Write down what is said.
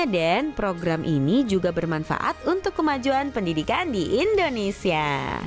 dan program ini juga bermanfaat untuk kemajuan pendidikan di indonesia